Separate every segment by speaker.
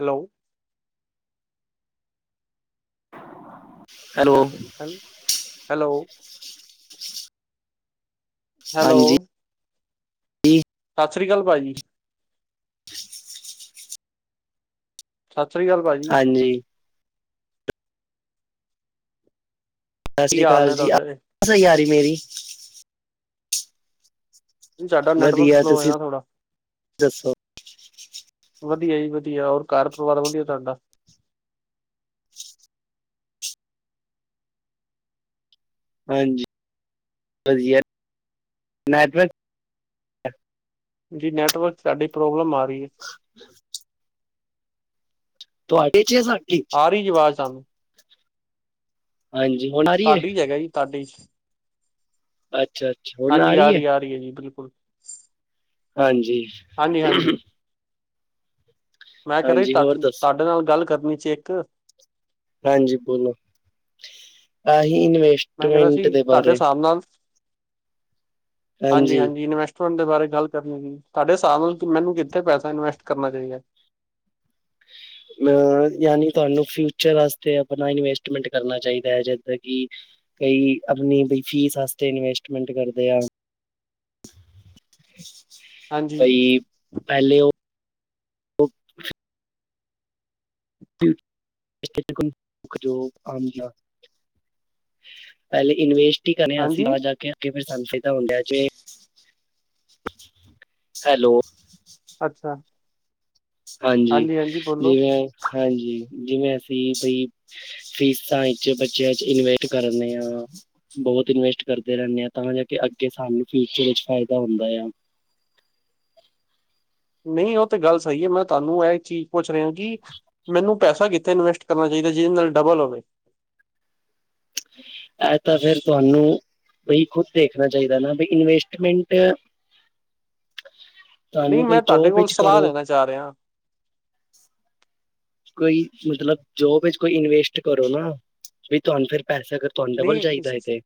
Speaker 1: Hello.
Speaker 2: [inaudible]
Speaker 1: ਹ ਹੈਲ hello. Hello.
Speaker 2: ਹਾਂਜੀ
Speaker 1: ਸਤਿ ਸ਼੍ਰੀ ਅਕਾਲ ਪਾਜੀ। ਸਤਿ ਸ੍ਰੀ ਅਕਾਲ ਪਾਜੀ।
Speaker 2: ਹਾਂਜੀ ਸਤਿ
Speaker 1: ਕੀ
Speaker 2: ਸ਼੍ਰੀ
Speaker 1: ਹਾਲ
Speaker 2: ਅਕਾਲ
Speaker 1: ਨੇ
Speaker 2: ਜੀ ਅ
Speaker 1: ਤੁਹਾਡੇ?
Speaker 2: ਵਾਜ ਨੀ ਆ ਰਹੀ ਮੇਰੀ।
Speaker 1: ਸਾਡਾ ਨੈਟਵਰਕ
Speaker 2: ਵਧੀਆ
Speaker 1: ਸਲੋਅ
Speaker 2: ਤੁਸੀਂ
Speaker 1: ਹੋਯਾ ਥੋੜਾ।
Speaker 2: ਦੱਸੋ
Speaker 1: ਵਧੀਆ ਜੀ ਵਧੀਆ, ਹੋਰ ਕਾਰ ਪਰਿਵਾਰ ਵਧੀਆ ਤੁਆਡਾ।
Speaker 2: ਹਾਂਜੀ ਵਧੀਆ ਨੈਟਵਰਕ
Speaker 1: ਜੀ ਨੈਟਵਰਕ ਸਾਡੀ ਪ੍ਰੋਬਲਮ ਆ ਰਹੀ ਐ।
Speaker 2: ਤੁਹਾਡੇ ਚ ਜਾਂ ਸਾਡੀ
Speaker 1: ਆ ਰਹੀ ਜੀ ਆਵਾਜ਼ ਸਾਫ਼
Speaker 2: ਹਾਂਜੀ, ਹੁਣ ਆ ਰਹੀ ਹੈ
Speaker 1: ਤਾਡੀ ਚ ਹੈਗਾ ਜੀ ਤਾਡੀ ਚ,
Speaker 2: ਅੱਛਾ ਅੱਛਾ ਹੁਣ
Speaker 1: ਹਾਂਜੀ ਆ
Speaker 2: ਹੈ
Speaker 1: ਰਹੀ ਆ ਰਹੀ ਐ ਜੀ ਬਿਲਕੁਲ।
Speaker 2: ਹਾਂਜੀ।
Speaker 1: ਹਾਂਜੀ-ਹਾਂਜੀ। ਮੈਂ ਕੇਹ
Speaker 2: ਹਾਂਜੀ
Speaker 1: ਰੇਹਾ
Speaker 2: ਹੋਰ
Speaker 1: ਸੀ,
Speaker 2: ਦੱਸੋ
Speaker 1: ਤਾਡੇ ਨਾਲ ਗੱਲ ਕਰਨੀ ਚ ਏਕ
Speaker 2: ਹਾਂਜੀ ਬੋਲੋ, ਆਹੀ ਇਨਵੇਸ
Speaker 1: ਮੈਂ ਕੇਹ ਰੇਹਾ ਸੀ ਤੁਹਾਡੇ ਸਾਬ ਨਾਲ
Speaker 2: ਹਾਂਜੀ
Speaker 1: ਹਾਂਜੀ-ਹਾਂਜੀ ਇਨਵੈਸਟ ਬਾਰੇ ਗੱਲ ਕਰਨੀ ਸੀ। ਸਾਡੇ ਸਾਬ ਨਾਲ ਮੈਨੂੰ ਕਿੱਥੇ ਪੈਸਾ ਇਨਵੈਸਟ ਕਰਨਾ ਚਾਹੀਦਾ।
Speaker 2: ਅ ਯਾਨੀ ਤੁਹਾਨੂੰ ਫਿਊਚਰ ਆਸਤੇ ਆਪਣਾ ਇਨਵੈਸਟਮੈਂਟ ਕਰਨਾ ਚਾਹੀਦਾ ਏ ਜਿੱਦਾ ਕਿ ਕਈ ਆਪਣੀਂ ਬਈ ਫ਼ੀਸ ਆਸਤੇ ਇਨਵੈਸਟਮੈਂਟ ਕਰਦੇ ਆ।
Speaker 1: ਹਾਂਜੀ,
Speaker 2: ਬਈ, ਪੈਲੇ ਓ। [inaudible] ਪੈਲੇ ਇਨਵੇਸਟ ਹੀ ਕਰੇਂ, ਅਸੀਂ
Speaker 1: ਹਾਂਜੀ
Speaker 2: ਆ ਜਾਂ ਕੇ। ਕਿਵੇਂ ਸਾਨੂੰ ਚਾਹੀਦਾ ਹੁੰਦਾ ਜੇ, ਹੈਲੋ।
Speaker 1: ਅੱਛਾ।
Speaker 2: ਹਾਂਜੀ, ਜਿਵੇਂ ਹਾਂਜੀ, ਜਿਵੇਂ ਅਸੀਂ ਬਈ। ਫ਼ੀਸਾਂ ਵਿਚ ਬੱਚਿਆਂ ਚ ਇਨਵੈਟ ਕਰਨੇ ਆ। ਬੋਤ ਇਨਵੈਸਟ ਕਰਦੇਂ ਰੇਂਣੇ ਆ ਤਾਂ ਜਾਂ ਕੇ ਅੱਗੇ ਸਾਨੂੰ ਫਿਊਚਰ ਵਿੱਚ ਫ਼ਾਇਦਾ ਹੁੰਦਾਂ ਯਾਂ।
Speaker 1: ਨਈ ਓ ਤੇ ਗੱਲ਼ ਸਹੀ ਏ। ਮੈਂ ਤਾਨੂੰ ਇਹ ਚੀਜ਼ ਪੁੱਛ ਰਿਹਾਂ ਕਿ ਮੈਨੂੰ ਪੈਸਾਂ ਕਿੱਥੇ ਇਨਵੈਸਟ ਕਰਨਾਂ ਚਾਹੀਂਦਾ, ਜਿਦੇ ਨਾਲ਼ ਡੱਬਲ ਹੋਵੇਂ।
Speaker 2: ਐਹ ਤਾਂ ਫੇਰ ਤੁਆਨੂੰ। ਬਈ ਖੁਦ ਦੇਖਣਾਂ ਚਾਹੀਂਦਾ ਨਾ, ਬਈ ਇਨਵੈਸਟਮੈਂਟ
Speaker 1: ਨੀ
Speaker 2: ਤੁਹਾਨੂੰ
Speaker 1: ਮੈਂ
Speaker 2: ਕੋਈ
Speaker 1: ਤੁਆਡੇ
Speaker 2: ਜੋਬ
Speaker 1: ਕੋਲੋਂ
Speaker 2: ਵਿੱਚ
Speaker 1: ਸਲਾਹ
Speaker 2: ਕਰੋ
Speaker 1: ਲੈਣਾਂ ਚਾਅ ਰਿਹਾਂ।
Speaker 2: ਕੋਈ ਮੱਤਲਬ ਜੋਬ ਵਿੱਚ ਕੋਈ ਇਨਵੈਸਟ ਕਰੋਂ ਨਾ, ਵੀ ਤੁਆਨੂੰ ਫੇਰ ਪੈਸੇ ਅਗਰ ਤੁਹਾਨੂੰ
Speaker 1: ਨਈ।
Speaker 2: ਡਬਲ ਚਾਹੀਦਾ ਹੈ ਤੇ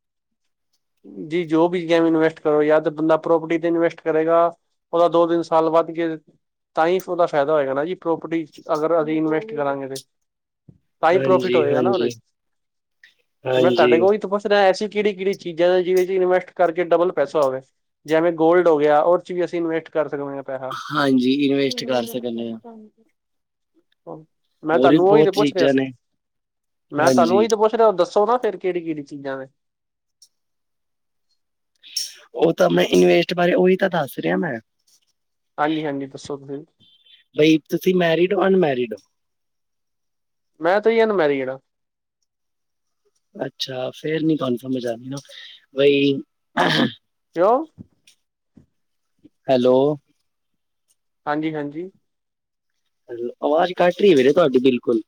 Speaker 1: ਜੇ ਜੋਬ ਵਿੱਚ ਕੇਵੇ ਇਨਵੈਸਟ ਕਰੋਂ ਯਾ ਤਾਂ ਬੰਦਾਂ ਪ੍ਰੋਪਰਟੀ ਤੇ ਇਨਵੈਸਟ ਕਰੇਂਗਾ। ਉਦਾ ਦੋ-ਤਿੰਨ ਸਾਲ ਵੱਧਗੇ। ਤਾਂ ਹੀ ਓਦਾ ਫ਼ਾਇਦਾ ਹੋਏਗਾ ਨਾ ਜੀ, ਪ੍ਰੋਪਰਟੀ ਚ ਅਗਰ ਅਹੀ ਇਨਵੈਸਟ ਕਰਾਂਗੇ ਤੇ ਤਾਂ ਹੀ ਪ੍ਰੋਫਿਟ
Speaker 2: ਹਾਂਜੀ
Speaker 1: ਹੋਏਗਾ ਨਾ ਓਦੇ
Speaker 2: ਹਾਂਜੀ
Speaker 1: ਚ। ਤੇ ਮੈਂ ਤੁਹਾਡੇ
Speaker 2: ਹਾਂਜੀ।
Speaker 1: ਕੋਲ ਉਹੀ ਤਾਂ ਪੁੱਛ ਰਿਹਾ, ਐਸੀ ਕਿੜੀ ਕਿੜੀ ਚੀਜ਼ਾਂ ਨੇ ਜਿਵੇਂ-ਜਿਵੇਂ ਇਨਵੈਸਟ ਕਰਕੇ ਡਬਲ ਪੈਸਾ ਹੋਵੇ। ਜਿਵੇਂ ਗੋਲਡ ਹੋ ਗਿਆ ਓਦ ਚ ਵੀ ਅਸੀ ਇਨਵਸਟ ਕਰ ਸਕਦੇ ਆ ਪੈਹਾ
Speaker 2: ਹਾਂਜੀ ਇਨਵੈਸਟ ਕਰ ਸਕਦੇ ਹਾਂ
Speaker 1: ਮੈਂ
Speaker 2: ਹੋਰ ਵੀ
Speaker 1: ਤਾਨੂੰ ਉਹੀ
Speaker 2: ਬਹੁਤ
Speaker 1: ਤੇ ਪੁੱਛ ਰਿਹਾ
Speaker 2: ਚੀਜ਼ਾਂ ਨੇ
Speaker 1: ਸੀ, ਮੈਂ ਤਾਨੂੰ
Speaker 2: ਹਾਂਜੀ
Speaker 1: ਉਹੀ ਤੇ ਪੁੱਛ ਫੇਰ ਦੱਸੋ ਨਾ ਫੇਰ ਕਿਹੜੀ ਕਿਹੜੀ ਚੀਜ਼ਾਂ ਨੇ?
Speaker 2: ਉਹ ਤਾਂ ਮੈਂ ਇਨਵੇਸਟ ਬਾਰੇ ਉਹੀ ਤਾਂ ਦੱਸ ਰਿਹਾ ਮੈਂ।
Speaker 1: ਹਾਂਜੀ ਹਾਂਜੀ ਦੱਸੋ ਫਿਰ?
Speaker 2: ਬਈ ਤੁਸੀਂ ਮੈਰਿਡ ਹੋ, ਅਨਮੈਰਿਡ ਹੋ?
Speaker 1: ਮੈਂ ਤਾਂ ਜੀ ਅਨਮੈਰਿਡ ਹਾਂ।
Speaker 2: ਅੱਛਾ ਫੇਰ ਨੀ ਤੁਹਾਨੂੰ ਸਮਝ ਆਣੀ ਨਾ, ਬਈ
Speaker 1: ਕਿਉਂ?
Speaker 2: ਹੈਲੋ।
Speaker 1: ਹਾਂਜੀ ਹਾਂਜੀ।
Speaker 2: ਆਵਾਜ਼ ਕੱਟ ਰਹੀ ਵੀਰੇ ਤੁਹਾਡੀ ਬਿਲਕੁਲ।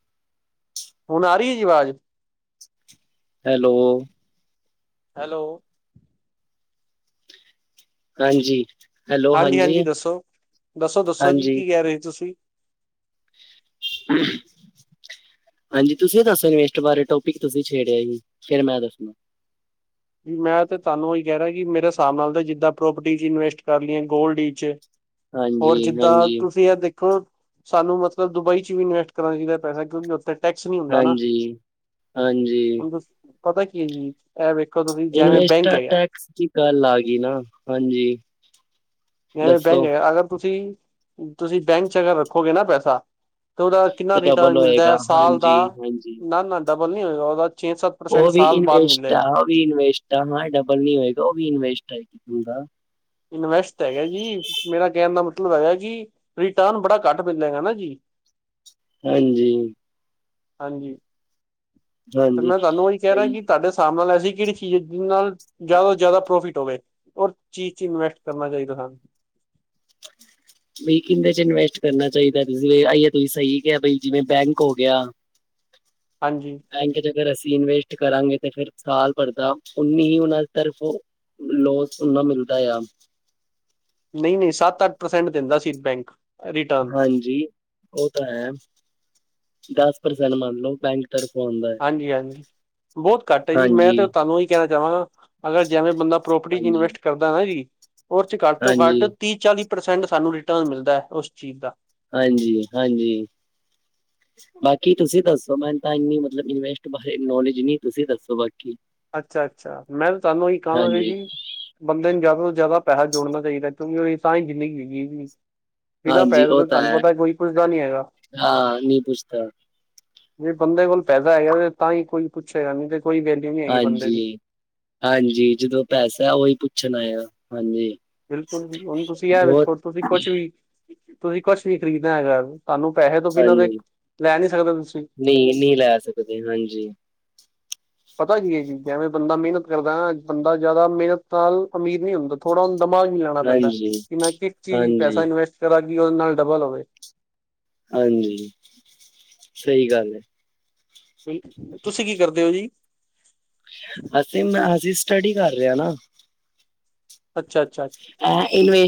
Speaker 1: ਹੁਣ ਆ ਰਹੀ ਏ ਜੀ ਆਵਾਜ਼।
Speaker 2: ਹੈਲੋ।
Speaker 1: ਹੈਲੋ।
Speaker 2: ਨਾਹੀ ਹਾਂਜੀ।
Speaker 1: ਹਾਂਜੀ ਹਾਂਜੀ ਦੱਸੋ, ਦੱਸੋ ਦੱਸੋ ਜੀ
Speaker 2: ਹਾਂਜੀ
Speaker 1: ਕੀ ਕਹਿ ਰਹੇ ਤੁਸੀਂ?
Speaker 2: [unintelligible] ਹਾਂਜੀ, ਤੁਸੀਂ ਦੱਸੋ ਇਨਵੈਸਟ ਬਾਰੇ ਟੋਪਿਕ ਤੁਸੀਂ ਛੇੜਿਆ ਜੀ ਫੇਰ ਮੈਂ ਦੱਸੂ?
Speaker 1: ਮੈਂ ਤੇ ਤੁਹਾਨੂੰ ਉਹੀ ਕਹਿ ਰਿਹਾ ਕਿ ਮੇਰੇ ਹਿਸਾਬ ਨਾਲ ਤਾਂ ਜਿੱਦਾਂ ਪ੍ਰੋਪਰਟੀ ਚ ਇਨਵੈਸਟ ਕਰ ਲਈਏ, ਗੋਲਡ ਇਚ ਹੋਰ
Speaker 2: ਹਾਂਜੀ
Speaker 1: ਜਿੱਦਾਂ
Speaker 2: ਹਾਂਜੀ
Speaker 1: ਤੁਸੀਂ ਆ ਦੇਖੋ ਸਾਨੂੰ ਮਤਲਬ ਦੁਬਈ ਚ ਵੀ ਇਨਵੈਸਟ ਕਰਨਾ ਚਾਹੀਦਾ ਪੈਸਾ, ਕਿਉਂਕ ਟੈਕਸ ਨੀ ਹੁੰਦਾ ਨਾ,
Speaker 2: ਹਾਂਜੀ ਹਾਂਜੀ
Speaker 1: ਹੁਣ ਦ ਪਤਾ ਕੀ ਏ ਜ
Speaker 2: ਇਨਵੈਸਟ ਟੈਕਸ ਦੀ ਗੱਲ ਆ ਗਈ ਨਾ ਹਾਂਜੀ।
Speaker 1: ਐਵੇ ਬੈਂਕ
Speaker 2: ਦੱਸੋ
Speaker 1: ਅਗਰ ਤੁਸੀਂ ਤੁਸੀਂ ਬੈਂਕ ਚ ਅਗਰ ਰੱਖੋਗੇ ਨਾ ਪੈਸਾ ਤੇ ਉਹਦਾ ਕਿੰਨਾ
Speaker 2: ਤੇ
Speaker 1: ਰਿਟਰਨ
Speaker 2: ਡਬਲ
Speaker 1: ਮਿਲਦਾ ਐ
Speaker 2: ਹੋਏਗਾ
Speaker 1: ਸਾਲ
Speaker 2: ਹਾਂਜੀ
Speaker 1: ਦਾ,
Speaker 2: ਹਾਂਜੀ
Speaker 1: ਨਾ ਨਾ ਡਬਲ ਨਹੀਂ ਹੋਏਗਾ ਉਹਦਾ ਛੇ ਸੱਤ ਪਰਸੈਂਟ
Speaker 2: ਉਹ ਵੀ
Speaker 1: ਸਾਲ ਬਾਅਦ
Speaker 2: ਇਸਵੇਸਟ ਆ,
Speaker 1: ਮਿਲੇਗਾ
Speaker 2: ਉਹ ਵੀ ਇਨਵੇਸਟ ਆ, ਡਬਲ ਨੀ ਹੋਏਗਾ, ਉਹ ਵੀ ਇਸਵੇਸਟ ਆ।
Speaker 1: ਇਨਵੈਸਟ ਹੈਗਾ ਜੀ, ਮੇਰਾ ਕਹਿਣ ਦਾ ਮਤਲਬ ਹੈਗਾ ਕਿ ਰਿਟਰਨ ਬੜਾ ਘੱਟ ਪੈਦਾ ਹੈਗਾ ਨਾ ਜੀ।
Speaker 2: ਹਾਂਜੀ।
Speaker 1: ਹਾਂਜੀ ਤੇ
Speaker 2: ਹਾਂਜੀ
Speaker 1: ਮੈਂ ਤੁਹਾਨੂੰ ਉਹੀ ਕਹਿ ਰਿਹਾ
Speaker 2: ਬਈ
Speaker 1: ਕਿ ਤੁਹਾਡਾ ਹਿਸਾਬ ਨਾਲ ਐਸੀ ਕਿਹੜੀ ਚੀਜ਼ ਆ ਜਿਹਦੇ ਨਾਲ ਜ਼ਿਆਦਾ ਤੋਂ ਜ਼ਿਆਦਾ ਪ੍ਰੋਫਿਟ ਹੋਵੇ ਔਰ ਚੀਜ਼ ਚ ਇਨਵੈਸਟ ਕਰਨਾ ਚਾਹੀਦਾ ਸਾਨੂੰ। [unintelligible]
Speaker 2: ਬਈ ਕੀਹਦੇ ਚ ਇਨਵੈਸਟ ਕਰਨਾ ਚਾਹੀਦਾ, ਤੁਸੀਂ ਅਈ ਤੁਸੀਂ ਸਹੀ ਕਿਹਾ ਬਈ ਜਿਵੇਂ ਬੈਂਕ ਹੋ ਗਿਆ
Speaker 1: ਹਾਂਜੀ।
Speaker 2: ਬੈਂਕ ਚ ਅਗਰ ਅਸੀਂ ਇਨਵੈਸਟ ਕਰਾਂਗੇ ਤਾਂ ਫਿਰ ਸਾਲ ਭਰ ਦਾ ਉਨੀ ਹੀ ਉਹਨਾਂ ਦੀ ਤਰਫ਼ੋਂ ਲੋਸ ਥੋੜ੍ਹੀ ਨਾ ਮਿਲਦਾ ਆ।
Speaker 1: ਨਹੀਂ ਨਹੀਂ ਸੱਤ ਅੱਠ ਪ੍ਰਸੈਂਟ ਦਿੰਦਾ ਸੀ ਬੈਂਕ। ਰਿਟਰਨ
Speaker 2: ਹਾਂਜੀ ਉਹ ਤਾਂ ਹੈ, ਦਸ ਪ੍ਰਸੈਂਟ ਮੰਨ ਲਓ ਬੈਂਕ ਤਰਫੋਂ ਆਉਂਦਾ। ਹੈ
Speaker 1: ਹਾਂਜੀ ਹਾਂਜੀ ਬਹੁਤ ਘੱਟ ਆ ਜੀ, ਮੈਂ
Speaker 2: ਹਾਂਜੀ
Speaker 1: ਤਾਂ ਤੁਹਾਨੂੰ ਉਹੀ ਕਹਿਣਾ ਚਾਹਵਾਂਗਾ ਅਗਰ ਜਿਵੇਂ ਬੰਦਾ ਪ੍ਰੋਪਰਟੀ ਚ
Speaker 2: ਹਾਂਜੀ
Speaker 1: ਇਨਵੈਸਟ ਕਰਦਾ ਨਾ ਜੀ, ਉਹ ਚ ਘੱਟ ਤੋਂ ਘੱਟ
Speaker 2: ਹਾਂਜੀ
Speaker 1: ਤੀਹ ਚਾਲੀ ਪ੍ਰਸੈਂਟ ਸਾਨੂੰ ਰਿਟਰਨ ਮਿਲਦਾ ਉਸ ਚੀਜ਼ ਦਾ।
Speaker 2: ਹਾਂਜੀ ਹਾਂਜੀ। ਬਾਕੀ ਤੁਸੀਂ ਦੱਸੋ ਮੈਨੂੰ ਤਾਂ ਏਨੀ ਮਤਲਬ ਇਨਵੈਸਟ ਬਾਰੇ ਨੋਲਜ ਨੀ ਤੁਸੀਂ ਦੱਸੋ ਬਾਕੀ?
Speaker 1: ਅੱਛਾ ਅੱਛਾ, ਮੈਂ ਤਾਂ ਤੁਹਾਨੂੰ ਇਹੀ ਕਹਾਂਗਾ
Speaker 2: ਹਾਂਜੀ
Speaker 1: ਜੀ ਬੰਦੇ ਨੂੰ ਜ਼ਿਆਦਾ ਤੋਂ ਜ਼ਿਆਦਾ ਪੈਸਾ ਜੋੜਨਾ ਚਾਹੀਦਾ ਕਿਉਕਿ ਉਹਦੀ ਤਾਂ ਹੀ ਜ਼ਿੰਦਗੀ ਬਤੀਤ ਹੋਏਗੀ। ਬਿਨਾਂ
Speaker 2: ਹਾਂਜੀ
Speaker 1: ਪੈਸੇ
Speaker 2: ਉਹ
Speaker 1: ਤੋਂ
Speaker 2: ਤਾਂ
Speaker 1: ਤੁਹਾਨੂੰ
Speaker 2: ਹੈ
Speaker 1: ਪਤਾ ਕੋਈ ਪੁੱਛਦਾ ਨੀ ਹੈਗਾ।
Speaker 2: ਹਾਂ ਨਹੀਂ ਪੁੱਛਦਾ
Speaker 1: ਜੇ ਬੰਦੇ ਕੋਲ ਪੈਸਾ ਹੈਗਾ ਤਾਂ ਹੀ ਕੋਈ ਪੁੱਛੇਗਾ, ਨੀ ਤੇ ਕੋਈ ਵੈਲਿਊ ਨਹੀਂ। ਹੈਗੀ ਬੰਦੇ ਦੀ
Speaker 2: ਹਾਂਜੀ, ਹਾਂਜੀ ਜਦੋਂ ਪੈਸਾ ਉਹੀ ਪੁੱਛਣਾ ਆਏਗਾ, ਹਾਂਜੀ।
Speaker 1: ਬਿਲਕੁਲ ਜੀ, ਹੁਣ ਤੁਸੀਂ ਇਹ
Speaker 2: ਬਹੁਤ
Speaker 1: ਵੇਖੋ, ਤੁਸੀਂ ਕੁਛ ਵੀ ਤੁਸੀਂ ਕੁਛ ਵੀ ਖ਼ਰੀਦਣਾ ਹੈਗਾ ਤੁਹਾਨੂੰ ਪੈਸੇ ਤੋਂ ਬਿਨਾਂ ਦੇ,
Speaker 2: ਹਾਂਜੀ
Speaker 1: ਲੈ ਨੀ ਸਕਦੇ ਤੁਸੀਂ।
Speaker 2: ਨਹੀਂ, ਨਹੀਂ ਲੈ ਸਕਦੇ, ਹਾਂਜੀ।
Speaker 1: ਪਤਾ ਕਿ ਐ ਜੀ, ਜਿਵੇਂ ਬੰਦਾ ਮਿਹਨਤ ਕਰਦਾ ਨਾ, ਬੰਦਾ ਜ਼ਿਆਦਾ ਮਿਹਨਤ ਨਾਲ ਅਮੀਰ ਨੀ ਹੁੰਦਾ। ਥੋੜ੍ਹਾ ਉਹਨੂੰ ਦਿਮਾਗ ਵੀ ਲਾਣਾ ਪੈਂਦਾ,
Speaker 2: ਹਾਂਜੀ
Speaker 1: ਕਿ ਮੈਂ ਕਿਸ ਚੀਜ਼ 'ਚ ਪੈਸਾ
Speaker 2: ਹਾਂਜੀ
Speaker 1: ਇਨਵੈਸਟ ਕਰਾਂ ਕਿ ਉਹਦੇ ਨਾਲ ਡਬਲ ਹੋਵੇ।
Speaker 2: ਹਾਂਜੀ, ਸਹੀ ਗੱਲ ਹੈ।
Speaker 1: ਤੁਸੀਂ ਕੀ ਕਰਦੇ ਹੋ ਜੀ?
Speaker 2: ਅਸੀਂ, ਮੈਂ ਅਸੀਂ ਸਟੱਡੀ ਕਰ ਰਹੇ ਹ ਨਾ।
Speaker 1: ਅੱਛਾ। ਅੱਛਾ
Speaker 2: ਅ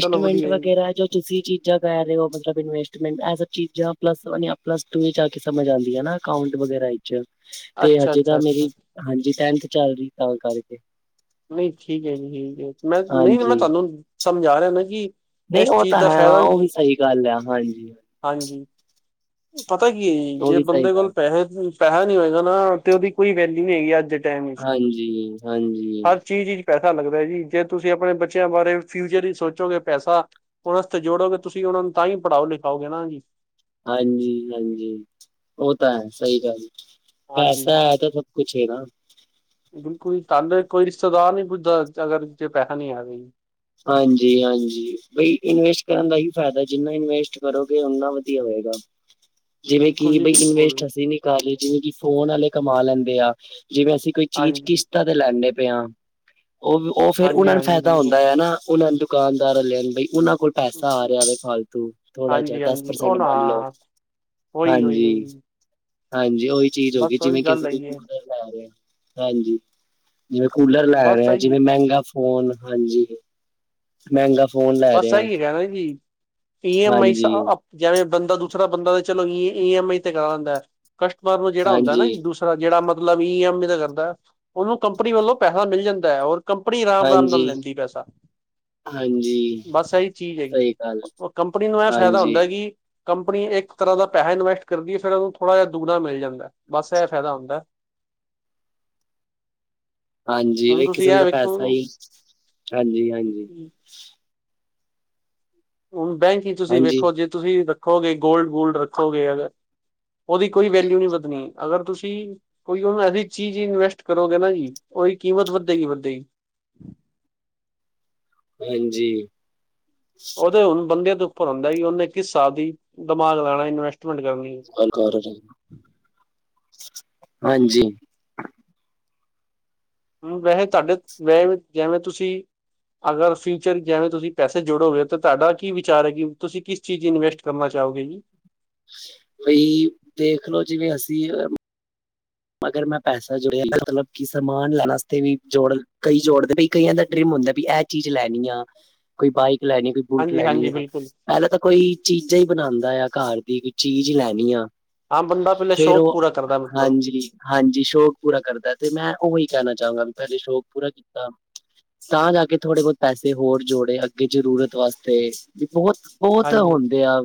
Speaker 1: ਚਲੋ ਵਧੀਆ ਜੀ
Speaker 2: ਵਗੈਰਾ ਜੋ ਤੁਸੀਂ ਚੀਜ਼ਾਂ ਕਹਿ ਰਹੇ ਹੋ ਮਤਲਬ ਇਨਵੈਸਟਮੈਂਟ, ਇਹ ਸਭ ਚੀਜ਼ਾਂ ਪਲੱਸ ਵਨ ਯਾ ਪਲੱਸ ਟੂ ਵਿੱਚ ਆ ਕੇ ਸਮਝ ਆਉਂਦੀਆਂ ਨਾ। ਅਕਾਊਂਟ ਵਗੈਰਾ ਵਿਚ, ਤੇ
Speaker 1: ਅੱਛਾ
Speaker 2: ਹਜੇ
Speaker 1: ਅੱਛਾ
Speaker 2: ਤਾਂ
Speaker 1: ਅੱਛਾ
Speaker 2: ਮੇਰੀ, ਹਾਂਜੀ ਟੈਥ ਚੱਲ ਰਹੀ ਤਾਂ ਕਰਕੇ।
Speaker 1: ਨਹੀਂ ਠੀਕ ਹੈ ਜੀ ਠੀਕ ਹੈ, ਮੈਂ ਨਹੀਂ, ਨਹੀਂ ਮੈਂ
Speaker 2: ਹਾਂਜੀ
Speaker 1: ਤੁਹਾਨੂੰ ਸਮਝਾ ਰਿਹਾਦਾ ਕਿ
Speaker 2: ਨਹੀਂ
Speaker 1: ਇਸ
Speaker 2: ਉਹ
Speaker 1: ਚੀਜ਼
Speaker 2: ਤਾਂ
Speaker 1: ਦਾ
Speaker 2: ਹੈ, ਹਾਂ
Speaker 1: ਫਾਇਦਾ
Speaker 2: ਉਹ ਵੀ ਸਹੀ ਗੱਲ ਹੈ ਹਾਂਜੀ।
Speaker 1: ਹਾਂਜੀ। ਪਤਾ ਕੀ ਹੈ ਜੀ
Speaker 2: ਉਹ
Speaker 1: ਜੇ
Speaker 2: ਵੀ ਸਹੀ
Speaker 1: ਬੰਦੇ ਕੋਲ
Speaker 2: ਗੱਲ
Speaker 1: ਪੈਸੇ ਪੈਸਾ ਨਹੀਂੀ ਹੋਏਗਾ ਨਾ, ਤੇ ਉਹਦੀ ਕੋਈ ਵੈਲਿਊ ਨੀ ਹੈਗੀ ਅੱਜ ਟਾਈਮ ਵਿੱਚ
Speaker 2: ਹਾਂਜੀ, ਹਾਂਜੀ।
Speaker 1: ਹਰ ਚੀਜ਼ ਵਿਚ ਪੈਸਾ ਲੱਗਦਾ ਜੀ, ਜੇ ਤੁਸੀਂ ਆਪਣੇ ਬੱਚਿਆਂ ਬਾਰੇ ਫਿਊਚਰ ਹੀ ਸੋਚੋਗੇ ਪੈਸਾ ਉਹਸਤੇ ਜੋੜੋਗੇ ਤੁਸੀਂ, ਉਹਨਾ ਨੂੰ ਤਾਂ ਹੀ ਪੜਾਓ ਲਿਖਾਓਗੇ ਨਾ ਜੀ।
Speaker 2: ਹਾਂਜੀ, ਹਾਂਜੀ ਉਹ ਤਾਂ ਹੈ ਸਹੀ ਗੱਲ,
Speaker 1: ਹਾਂਜੀ
Speaker 2: ਪੈਸਾ ਹੈ ਤਾਂ ਸਬ ਕੁਛ ਐ ਨਾ।
Speaker 1: ਬਿਲਕੁਲ, ਤਾਨ ਦੇਖੋ ਕੋਈ ਰਿਸ਼ਤੇਦਾਰ ਨੀ ਪੁੱਛਦਾ ਅਗਰ ਜੇ ਪੈਸਾ ਨੀ ਐ ਤੇ।
Speaker 2: ਹਾਂਜੀ ਹਾਂਜੀ, ਬਈ ਇਨਵੈਸਟ ਕਰਨ ਦਾ ਹੀ ਫਾਇਦਾ ਜਿੰਨਾ ਇਨਵੈਸਟ ਕਰੋਗੇ ਉਓਨਾ ਵਧੀਆ ਹੋਏਗਾ। ਜਿਵੇਂ
Speaker 1: ਬਿਲਕੁਲ
Speaker 2: ਕਿ
Speaker 1: ਜੀ
Speaker 2: ਬਈ
Speaker 1: ਬਿਲਕੁਲ
Speaker 2: ਇਨਵੇਸਟ ਅਸੀਂ ਨੀ ਕਰ ਰਹੇ, ਜਿਵੇਂ ਕਿ ਫੋਨ ਵਾਲੇ ਕਮਾ ਲੈਂਦੇ ਆ ਜਿਵੇਂ ਅਸੀਂ ਕੋਈ ਚੀਜ਼
Speaker 1: ਹਾਂਜੀ
Speaker 2: ਕਿਸ਼ਤਾਂ ਤੇ ਲੈਦੇ ਪਏ ਹਾ, ਉਹ ਉਹ ਫੇਿਰ
Speaker 1: ਹਾਂਜੀ
Speaker 2: ਉਹਨਾ ਨੂੰ
Speaker 1: ਹਾਂਜੀ
Speaker 2: ਫਾਇਦਾ ਹੁੰਦਾ।
Speaker 1: ਬਿਲਕੁਲ
Speaker 2: ਹੈ
Speaker 1: ਜੀ
Speaker 2: ਉਹਨਾਂ ਨੂੰ ਦੁਕਾਨਦਾਰ ਲੈਣ ਬਈ, ਉਹਨਾਂ ਕੋਲ ਪੈਸਾ ਆ ਰਿਹਾ ਵ ਫਾਲਤੂ ਥੋੜਾ ਜਿਹਾ,
Speaker 1: ਹਾਂਜੀ
Speaker 2: ਦਸ
Speaker 1: ਹਾਂਜੀ
Speaker 2: ਪ੍ਰਸੈਂਟ
Speaker 1: ਉਹ ਨਾ
Speaker 2: ਮੰਨ ਲੋੋ।
Speaker 1: ਉਹੀ ਉਹੀ
Speaker 2: ਹਾਂਜੀ,
Speaker 1: ਉਹੀ
Speaker 2: ਹਾਂਜੀ ਉਹੀ ਚੀਜ਼ ਹੋ ਗਈ
Speaker 1: ਬਸ ਉਹੀ
Speaker 2: ਜਿਵੇਂ
Speaker 1: ਗੱਲ
Speaker 2: ਕਿਸੇ
Speaker 1: ਹੈਗੀ
Speaker 2: ਕੋ
Speaker 1: ਹੈ
Speaker 2: ਲੈ ਰ ਹਾਂਜੀ ਜਿਵੇਂ ਕੂਲਰ ਲੈ
Speaker 1: ਬਸ
Speaker 2: ਰ ਆ,
Speaker 1: ਸਹੀ
Speaker 2: ਜਿਵੇਂ ਮਹਿੰਗਾ ਫੋਨ, ਹਾਂਜੀ। ਮਹਿੰਗਾ ਫੋਨ ਲ
Speaker 1: ਬਸ ਇਹੀ ਹੈਗਾ ਨਾ ਜੀ, ਈ ਐਮ ਆਈ
Speaker 2: ਹਾਂਜੀ
Speaker 1: ਜਿਵੇਂ ਬੰਦਾ ਦੂਸਰਾ ਬੰਦਾ ਤੇ ਚਲੋ ਏ ਐਮ ਆਈ ਤੇ ਕਰਾ ਲੈਂਦਾ, ਕਸਟਮਰ ਨੂੰ ਜਿਹੜਾ ਹੁੰਦਾ ਨਾ ਜੀ
Speaker 2: ਹਾਂਜੀ
Speaker 1: ਦੂਸਰਾ ਜਿਹੜਾ ਮਤਲਬ ਈ ਐਮ ਦਾ ਕਰਦਾ, ਉਹਨੂੰ ਕੰਪਨੀ ਵੱਲੋਂ ਪੈਸਾ ਮਿਲ ਜਾਂਦਾ ਹੈ ਔਰ ਕੰਪਨੀ ਆਰਾਮ, ਰਾਮ ਨਾਲ
Speaker 2: ਹਾਂਜੀ
Speaker 1: ਲੈਂਦੀ ਪੈਸਾ।
Speaker 2: ਹਾਂਜੀ।
Speaker 1: ਬਸ ਇਹੀ ਚੀਜ਼
Speaker 2: ਸਹੀ
Speaker 1: ਹੈਗੀ,
Speaker 2: ਗੱਲ
Speaker 1: ਕੰਪਨੀ ਨੂੰ ਇਹ ਫਾਇਦਾ
Speaker 2: ਹਾਂਜੀ
Speaker 1: ਹੁੰਦਾ ਕਿ ਕੰਪਨੀ ਇੱਕ ਤਰਾ ਦਾ ਪੈਸਾ ਇਨਵੈਸਟ ਕਰਦੀ ਹੈ, ਫਿਰ ਉਹਨੂੰ ਥੋੜਾ ਜਿਹਾ ਦੁਗਣਾ ਮਿਲ ਜਾਂਦਾ। ਬਸ ਇਹ ਫਾਇਦਾ ਹੁੰਦਾ।
Speaker 2: ਹਾਂਜੀ ਵੀ
Speaker 1: ਹੁਣ
Speaker 2: ਇਕ
Speaker 1: ਤੁਸੀਂ
Speaker 2: ਕਿਸਮ
Speaker 1: ਇਹ
Speaker 2: ਦਾ
Speaker 1: ਵੇਖੋ
Speaker 2: ਪੈਸਾ ਹੀ, ਹਾਂਜੀ ਹਾਂਜੀ।
Speaker 1: ਹੁਣ ਬੈਂਕ ਹੀ ਤੁਸੀਂ
Speaker 2: ਹਾਂਜੀ
Speaker 1: ਵੇਖੋ, ਜੇ ਤੁਸੀਂ ਰੱਖੋਗੇ ਗੋਲਡ -ਗੁਲਡ ਰੱਖੋਗੇ ਅਗਰ ਉਹਦੀ ਕੋਈ ਵੈਲਿਊ ਨਹੀਂ ਵੱਧਣੀ, ਅਗਰ ਤੁਸੀਂ ਕੋਈ ਉਹਨੂੰ ਅਐਸੀ ਚੀਜ਼ ਇਨਵੈਸਟ ਕਰੋਗੇ ਨਾ ਜੀ, ਉਹਦੀ ਕੀਮਤ ਵੱਧੇਗੀ ਵੱਧੇਗੀ।
Speaker 2: ਹਾਂਜੀ [unintelligible]
Speaker 1: ਉਹਦੇ ਹੁਣ ਬੰਦੇ ਤੋਂ ਉੱਪਰ ਹੁੰਦਾ ਕਿ ਉਹਨੇ ਕਿਸ ਹਿਸਾਲ ਦੀ ਦਿਮਾਗ ਲੈਣਾ ਇਨਵੈਸਟਮੈਂਟ ਕਰਨੀ।
Speaker 2: [unintelligible] ਰ ਹਾਂਜੀ।
Speaker 1: ਹ ਵੈਸੇ ਤੁਹਾਡੇ ਵੈਸੇ ਵੀ ਜਿਵੇਂ ਤੁਸੀਂ ਅਗਰ ਫਿਊਚਰ ਜਿਵੇਂ ਤੁਸੀਂ ਪੈਸੇ ਜੋੜੋਗੇ ਤਾਂ ਤੁਹਾਡਾ ਕੀ ਵਿਚਾਰ ਹੈ ਕਿ ਤੁਸੀਂ ਕਿਸ ਚੀਜ ਇਨਵੈਸਟ ਕਰਨਾ ਚਾਹੋਗੇ ਜੀ
Speaker 2: ਬਈ ਦੇਖਲੋ ਜਿਵੇਂ ਅਸੀਂ ਹੁਣ ਅਗਰ ਮੈ ਪੈਸਾ ਜੋੜਿਆ ਮਤਲਬ ਕਿ ਸਮਾਨ ਲੈਨ ਆਸਤੇ ਵੀ ਜੋੜ, ਕਈ ਜੋੜਦੇ ਕਈਆ ਦਾ ਡਰੀਮ ਹੁੰਦਾ ਵੀ ਐ ਚੀਜ ਲੈਨੀ ਆ, ਕੋਈ ਬਾਈਕ ਲੈਨੀ, ਕੋਈ ਬੁਲਟ
Speaker 1: ਹਾਂਜੀ
Speaker 2: ਲੈਨੀ
Speaker 1: ਹਾਂਜੀ
Speaker 2: ਆ
Speaker 1: ਬਿਲਕੁਲ
Speaker 2: ਪਹਿਲੇ ਤਾ ਕੋਈ ਚੀਜਾ ਈ ਬਣਾਂਦਾ ਆ ਕਾਰ ਦੀ ਕੋਈ ਚੀਜ ਲੈਨੀ ਆ।
Speaker 1: ਹਾਂ, ਬੰਦਾ ਪੈਲੇ
Speaker 2: ਫੇਰ
Speaker 1: ਸ਼ੌਕ
Speaker 2: ਉਹ
Speaker 1: ਪੂਰਾ ਕਰਦਾ ਮਤਲਬ
Speaker 2: ਹਾਂਜੀ ਹਾਂਜੀ, ਸ਼ੌਕ ਪੂਰਾ ਕਰਦਾ ਤੇ ਮੈਂ ਓਹੀ ਕਹਿਣਾ ਚਾਹਾਂਗਾ ਵੀ ਪੈਲੇ ਸ਼ੌਕ ਪੂਰਾ ਕੀਤਾ ਤਾ ਜਾ ਕੇ ਥੋੜੇ ਬੋਤ ਪੈਸੇ ਹੋਰ ਜੋੜੇ ਅੱਗੇ ਜਰੂਰਤ ਵਾਸਤੇ, ਵੀ ਬੋਤ ਬੋਤ
Speaker 1: ਹਾਂਜੀ
Speaker 2: ਹੁੰਦਿਆ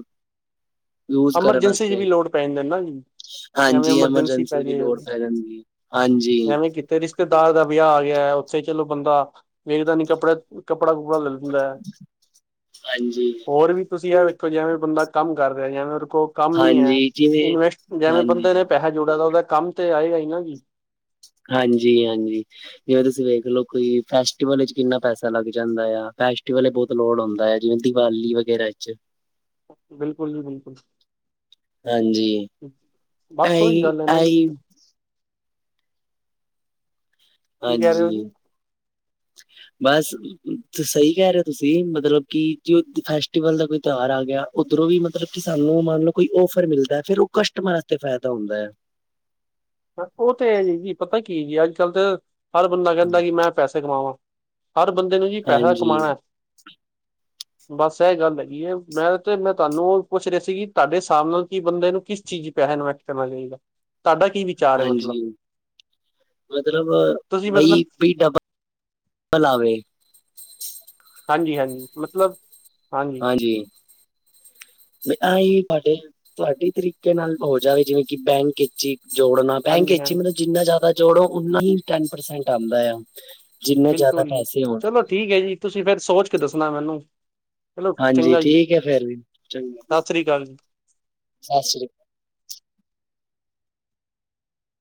Speaker 2: ਯੂਸ ਕਰਨ
Speaker 1: ਐਮਰਜੈਂਸੀ ਚ ਵੀ
Speaker 2: ਵਾਸਤੇ,
Speaker 1: ਲੋੜ ਪੈ ਜਾਂਦੇ ਨਾ ਜੀ ਐਵੇਂ
Speaker 2: ਹਾਂਜੀ
Speaker 1: ਪੈ
Speaker 2: ਐਮਰਜੈਂਸੀ ਦੀ
Speaker 1: ਜੇ
Speaker 2: ਲੋੜ ਪੈ ਜਾਂਦੀ, ਹਾਂਜੀ।
Speaker 1: ਐਵੇਂ ਕਿਤੇ ਰਿਸ਼ ਰਿਸ਼ਤੇਦਾਰ ਦਾ ਵਿਆਹ ਆ ਗਿਆ, ਓਥੇ ਚਲੋ ਬੰਦਾ ਵੇਖਦਾ ਨੀ ਕੱਪੜੇ ਕੱਪੜਾ ਕੁਪੜਾ ਲੈ ਲੈਂਦਾ ਐ।
Speaker 2: ਹਾਂਜੀ,
Speaker 1: ਹੋਰ ਵੀ ਤੁਸੀ ਐ ਜੈਵੇ ਬੰਦਾ ਕੰਮ ਕਰ ਰਿਆ, ਜੈਵੇ ਓਹਦੇ ਕੋਲ ਕੰਮ ਨੀ ਹੈ,
Speaker 2: ਹਾਂਜੀ ਜਿਵੇਂ
Speaker 1: ਇਨਸ ਜੈਵੇ
Speaker 2: ਹਾਂਜੀ,
Speaker 1: ਬੰਦੇ ਨੇ ਪੈਸਾ ਜੋੜਿਆ ਦਾ ਓਹਦੇ ਕੰਮ ਤੇ ਆਏਗਾ ਹੀ ਨਾ ਜੀ।
Speaker 2: ਹਾਂਜੀ, ਹਾਂਜੀ ਜਿਵੇ ਤੁਸੀਂ ਵੇਖਲੋ ਕੋਈ ਫੈਸਟੀਵਲ ਵਿੱਚ ਕਿੰਨਾ ਪੈਸਾ ਲੱਗ ਜਾਂਦਾ ਆ, ਫੈਸ ਫੈਸਟੀਵਲ ਵੇਲੇ ਬੋਤ ਲੋੜ ਹੋਂਦਾ ਐ ਜਿਵੇ ਦੀਵਾਲੀ ਵਗੈਰਾ 'ਚ
Speaker 1: ਬਿਲਕੁਲ ਜੀ, ਬਿਲਕੁਲ
Speaker 2: ਹਾਂਜੀ
Speaker 1: ਬਸ ਓਹੀ
Speaker 2: ਆਈ
Speaker 1: ਗੱਲ ਐ ਨਾ
Speaker 2: ਆਈ
Speaker 1: ਜੀ ਕੀ ਕਹਿ ਰਹੇ
Speaker 2: ਹਾਂਜੀ।
Speaker 1: ਹੋ ਜੀ
Speaker 2: ਬਸ, ਸਈ ਕੈ ਰਏ ਓ ਤੁਸੀ ਮਤਲਬ ਕਿ ਜੇ ਫੈਸਟੀਵਲ ਦਾ ਕੋਈ ਤਿਉਹਾਰ ਆ ਗਿਆ ਉੱਧਰੋਂ ਵੀ ਮਤਲਬ ਕਿ ਸਾਨੂੰ ਮੰਨ ਲਓ ਕੋਈ ਔਫਰ ਮਿਲਦਾ, ਫੇਰ ਉਹ ਕਸਟਮਰ ਅਸਤੇ ਫੈਦਾ ਹੁੰਦਾ।
Speaker 1: ਓਹ ਤੇ ਐ ਜੀ ਪਤਾ ਕੀ, ਅੱਜ-ਕੱਲ ਤੇ ਹਰ ਬੰਦਾ ਕੈਂਦਾ ਕਿ ਮੈ ਪੈਸੇ ਕਮਾਵਾ ਹਰ ਬੰਦੇ ਨੂੰ ਜੀ ਪੈਸਾ
Speaker 2: ਹਾਂਜੀ,
Speaker 1: ਕਮਾਣਾ। ਬਸ ਇਹ ਗੱਲ ਹੈਗੀ ਏ। ਮੈ ਤੇ ਮੈ ਤੁਹਾਨੂੰ ਓਹ ਪੁੱਛ ਰਿਹਾ ਸੀ ਤਾਡੇ ਹਿਸਾਬ ਨਾਲ ਕੀ ਬੰਦੇ ਨੂੰ ਕਿਸ ਚੀਜ 'ਚ ਪੈਹਾ ਇਨਵੈਸਟ- ਕਰਨ ਚਾਈਦਾ, ਤਾਡਾ ਕੀ ਵਿਚਾਰ ਹੈ ਮਤਲਬ
Speaker 2: ਹਾਂਜੀ। ਮਤਲਬ
Speaker 1: ਤੁਸੀਂ
Speaker 2: ਬਈ
Speaker 1: ਮਤਲਬ
Speaker 2: ਬੀ ਡਬ ਤ ਲਾਵੇ।
Speaker 1: ਹਾਂਜੀ, ਹਾਂਜੀ, ਮਤਲਬ, ਹਾਂਜੀ
Speaker 2: ਹਾਜੀ ਆਹੀ ਤਾਡੇ ਤੁਆਡੇ ਤਰੀਕੇ ਨਾਲ ਹੋ ਜਾਵੇ ਜਿਵੇ ਕਿ ਬੈਂਕ ਇਚੀ ਜੋੜਨਾ, ਬੈਂਕ
Speaker 1: ਹਾਂਜੀ
Speaker 2: ਵਿੱਚ ਹੀ
Speaker 1: ਹਾਂਜੀ
Speaker 2: ਮਤਲਬ ਜਿੰਨਾ ਜਿਆਦਾ ਜੋੜੋ, ਓਨਾ ਹੀ ਟੈਨ ਪਰਸੈਂਟ ਆਂਦਾ ਆ। ਜਿੰਨੇ ਜਿਆਦਾ
Speaker 1: ਬਿਲਕੁਲ ਜੀ
Speaker 2: ਪੈਸੇ ਹੋਣ।
Speaker 1: ਚਲੋ ਠੀਕ ਐ ਜੀ, ਤੁਸੀ ਫੇਰ ਸੋਚ ਕੇ ਦੱਸਣਾ ਮੈਨੂੰ। ਚਲੋ
Speaker 2: ਹਾਂਜੀ
Speaker 1: ਚੰਗਾ ਜੀ,
Speaker 2: ਠੀਕ ਹੈ ਫੇਰ ਵੀ
Speaker 1: ਸਸ੍ਰੀ ਕਾਲ ਜੀ।
Speaker 2: ਸਾਸ੍ਰੀ